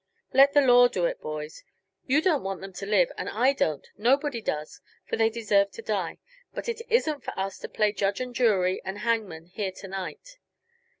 "Let the law do it, boys. You don't want them to live, and I don't; nobody does, for they deserve to die. But it isn't for us to play judge and jury and hangman here to night.